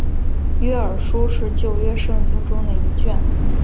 约珥书是旧约圣经中的一卷。